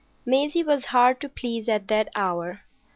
Maisie was hard to please at that hour.